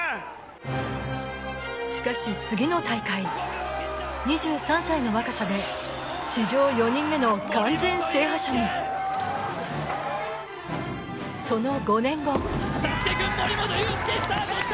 しかし次の大会２３歳の若さで史上４人目の完全制覇者にその５年後サスケくん森本裕介スタートした！